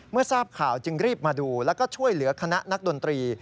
ทราบข่าวจึงรีบมาดูแล้วก็ช่วยเหลือคณะนักดนตรี